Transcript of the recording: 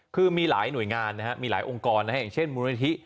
คือมีหลายหน่วยงานนะครับมีหลายองค์กรนะครับอย่างเช่นมูลนาทิ